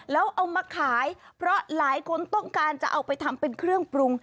แล้วเอามาขายเพราะหลายคนต้องการจะเอาไปทำเป็นเครื่องปรุง